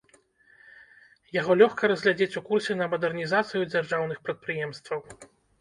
Яго лёгка разглядзець у курсе на мадэрнізацыю дзяржаўных прадпрыемстваў.